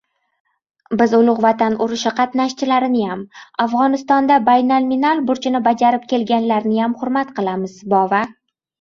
— Biz Ulug‘ Vatan urushi qatnashchilariniyam, Afg‘onistonda baynalminal burchini bajarib kelganlarniyam hurmat qilamiz, bova.